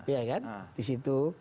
ya kan disitu